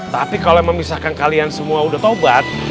tapi kalau emang misalkan kalian semua udah taubat